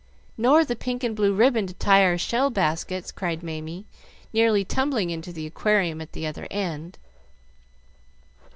"Nor the pink and blue ribbon to tie our shell baskets," called Mamie, nearly tumbling into the aquarium at the other end.